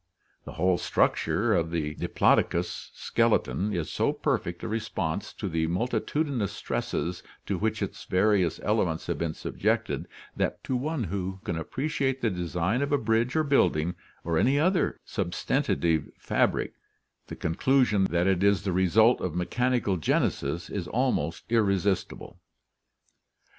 The whole struc ture of the Diplodocus skeleton is so perfect a response to the multitudinous stresses to which its various elements have been sub jected that to one who can appreciate the design of a bridge or building or any other sustentative fabric the conclusion that it is the result of mechanical genesis is almost irresistible.